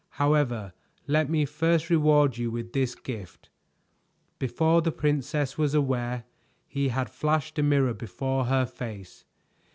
However, let me first reward you with this gift." Before the princess was aware, he had flashed a mirror before her face.